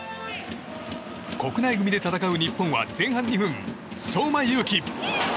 国内組で戦う日本は前半２分相馬勇紀！